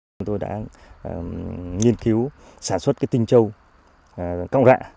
chúng tôi đã nghiên cứu sản xuất cái tinh châu cộng dạ